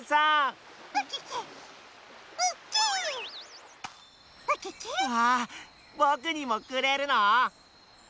あぼくにもくれるの？